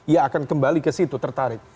ia akan kembali ke situ tertarik